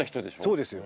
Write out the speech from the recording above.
そうですよ。